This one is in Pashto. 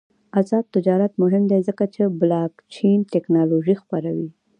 آزاد تجارت مهم دی ځکه چې بلاکچین تکنالوژي خپروي.